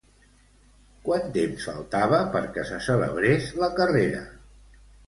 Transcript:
Quant temps faltava perquè se celebrés la carrera?